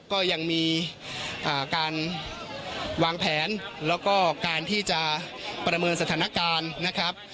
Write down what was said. ก็ยังมีการวางแผนแล้วก็การที่จะประเมินสถานการณ์นะครับ